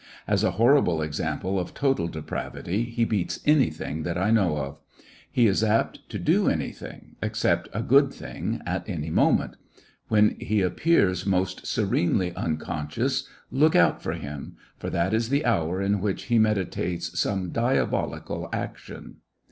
As a horrible example of total depravity he beats anything that I know of. He is apt to do anything, ex cept a good thing, at any moment. When he appears most serenely unconscious look out for him, for that is the hour in which he medi tates some diabolical action